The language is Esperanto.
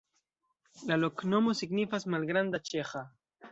La loknomo signifas: malgranda-ĉeĥa.